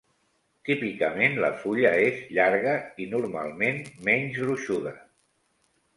Típicament la fulla és llarga i, normalment, menys gruixuda.